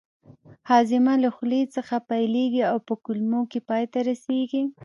هاضمه له خولې څخه پیلیږي او په کولمو کې پای ته رسیږي